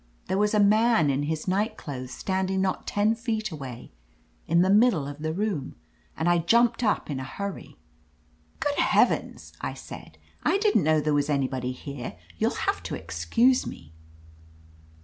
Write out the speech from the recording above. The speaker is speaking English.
There was a man in his night clothes standing not ten feet away, in the mid dle of the room, and I jumped up in a hurry. "*Good heavens!' I said, 'I didn't know there was anybody; here I You'll have to ex cuse me.'